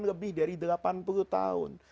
lebih dari delapan puluh tahun